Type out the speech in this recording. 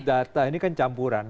data ini kan campuran